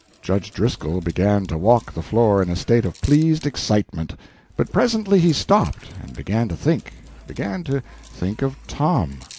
Judge Driscoll began to walk the floor in a state of pleased excitement; but presently he stopped, and began to think began to think of Tom.